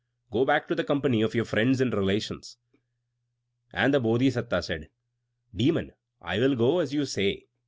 Go back to the company of your friends and relations!" And the Bodhisatta said: "Demon, I will go, as you say.